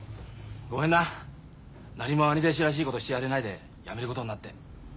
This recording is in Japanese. ごめんな何も兄弟子らしいことしてやれないでやめることになって。